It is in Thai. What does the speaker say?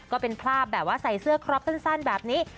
ก็เป็นภาพแบบว่าใส่เสื้อครอบสั้นแบบนี้